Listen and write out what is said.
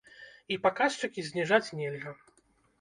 І паказчыкі зніжаць нельга.